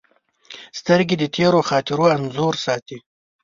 سترګې د تېرو خاطرو انځور ساتي